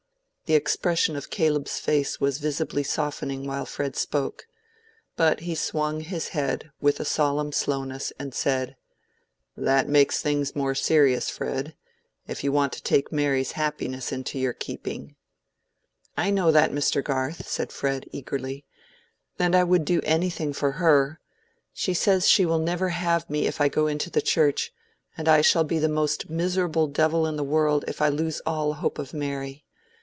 The expression of Caleb's face was visibly softening while Fred spoke. But he swung his head with a solemn slowness, and said— "That makes things more serious, Fred, if you want to take Mary's happiness into your keeping." "I know that, Mr. Garth," said Fred, eagerly, "and I would do anything for her. She says she will never have me if I go into the Church; and I shall be the most miserable devil in the world if I lose all hope of Mary.